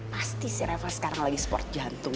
pasti sih reva sekarang lagi sport jantung